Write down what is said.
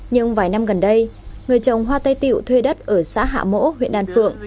nhưng vài năm gần đây người trồng hoa tây tiệu thuê đất ở xã hạ mỗ huyện đan phượng